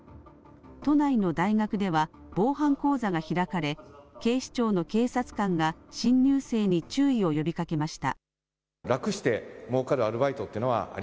都内の大学では防犯講座が開かれ警視庁の警察官が新入生に注意を呼びかけました。